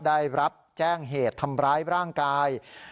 ได้รับแจ้งเหตุทำร้ายร่างกาย